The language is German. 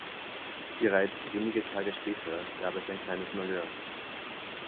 Bereits wenige Tage später gab es ein kleines Malheur.